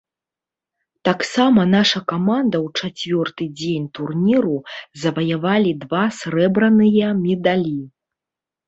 Таксама наша каманда ў чацвёрты дзень турніру заваявалі два срэбраныя медалі.